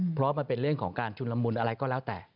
เพราะมันเป็นเรื่องของการชุนละมุนอะไรก็แล้วแต่